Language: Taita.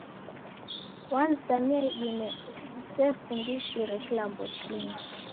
Wanizamia idime usefundishire kilambo chingi